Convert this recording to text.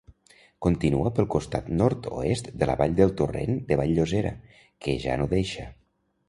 Continua pel costat nord-oest de la vall del torrent de Vall-llosera, que ja no deixa.